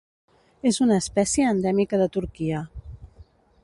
És una espècie endèmica de Turquia.